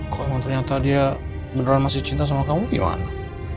kok emang ternyata dia beneran masih cinta sama kamu gimana